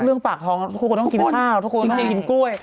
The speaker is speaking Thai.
เรื่องปากท้องทุกคนต้องกินข้าวทุกคนก็จะกินกล้วย